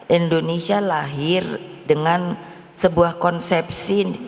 indonesia lahir dengan sebuah konsepsi